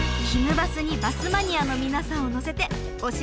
バスにバスマニアの皆さんを乗せて推し